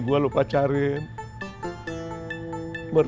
gak usah ditolak